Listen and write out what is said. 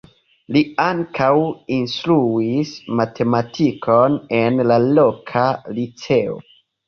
Li ankaŭ instruis matematikon en la loka liceo.